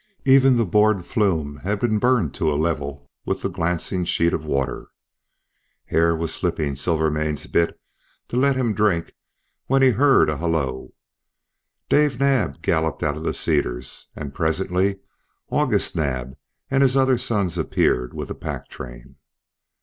Even the board flume had been burned to a level with the glancing sheet of water. Hare was slipping Silvermane's bit to let him drink when he heard a halloo. Dave Naab galloped out of the cedars, and presently August Naab and his other sons appeared with a pack train.